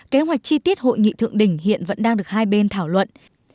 kế hoạch chi tiết hội nghị thượng đỉnh hiện vẫn đang được hai bên thảo luận